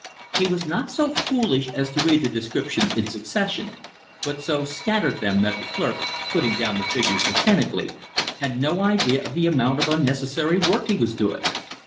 He was not so foolish as to read the descriptions in succession, but so scattered them that the clerk, putting down the figures mechanically, had no idea of the amount of unnecessary work he was doing.